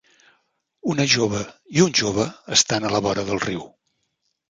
Una jove i un jove estan a la vora del riu.